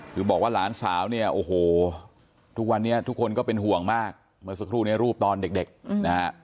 คือบอกว่าหลานสาวเนี่ยโอ้โหทุกวันนี้ทุกคนก็เป็นห่วงมากเมื่อสักครู่นี้รูปตอนเด็กนะฮะ